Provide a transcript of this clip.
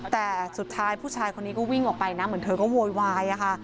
แต่สุดท้ายผู้ชายคนนี้ก็วิ่งออกไปนะเหมือนเธอก็โวยวายอะค่ะ